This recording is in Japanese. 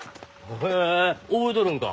へえ覚えとるんか。